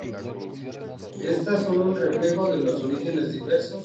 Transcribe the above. Estas son un reflejo de los orígenes diversos de los residentes de Cabo Verde.